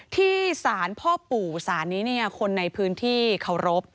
ที่ศาลพ่อปู่ศาลนี้เนี่ยคนในพื้นที่เขารบ